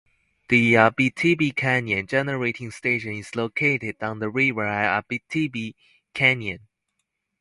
The Abitibi Canyon Generating Station is located on the river at Abitibi Canyon.